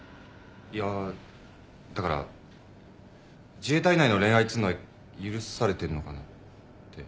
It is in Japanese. いやだから自衛隊内の恋愛っつうのは許されてんのかなって。